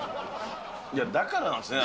いや、だからなんですね。